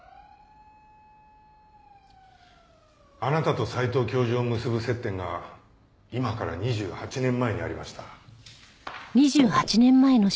あなたと斎藤教授を結ぶ接点が今から２８年前にありました。